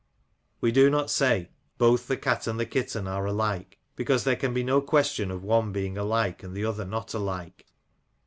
We do not say, "Both the cat and the kitten are alike," because there can be no question of one being alike and the other not alike.